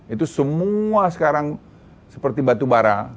itu semua sekarang seperti batu bara